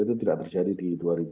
itu tidak terjadi di dua ribu dua puluh